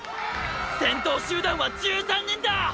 先頭集団は１３人だ！！